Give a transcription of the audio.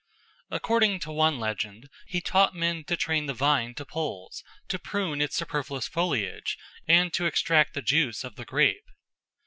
According to one legend, he taught men to train the vine to poles, to prune its superfluous foliage, and to extract the juice of the grape.